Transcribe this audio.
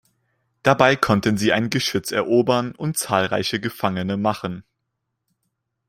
Dabei konnten sie ein Geschütz erobern und zahlreiche Gefangene machen.